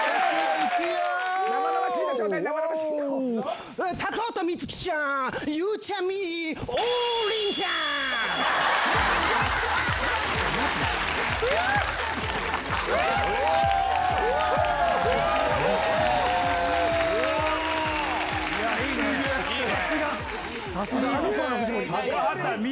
いいね！